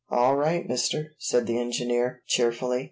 "All right, mister," said the engineer cheerfully.